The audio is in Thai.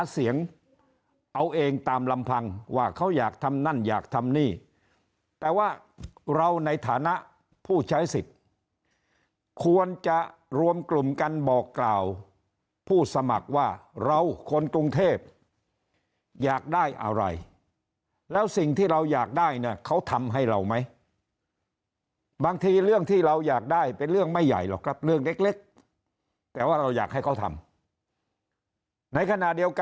เสียงเอาเองตามลำพังว่าเขาอยากทำนั่นอยากทำนี่แต่ว่าเราในฐานะผู้ใช้สิทธิ์ควรจะรวมกลุ่มกันบอกกล่าวผู้สมัครว่าเราคนกรุงเทพอยากได้อะไรแล้วสิ่งที่เราอยากได้เนี่ยเขาทำให้เราไหมบางทีเรื่องที่เราอยากได้เป็นเรื่องไม่ใหญ่หรอกครับเรื่องเล็กแต่ว่าเราอยากให้เขาทำในขณะเดียวกัน